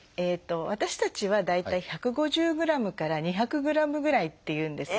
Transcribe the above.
私たちは大体１５０ｇから２００ｇぐらいっていうんです。